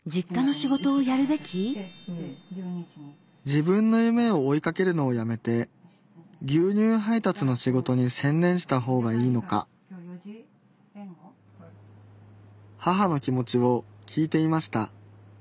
自分の夢を追いかけるのをやめて牛乳配達の仕事に専念した方がいいのか母の気持ちを聞いてみました